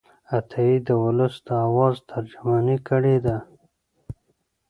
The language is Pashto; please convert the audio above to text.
عطايي د ولس د آواز ترجماني کړې ده.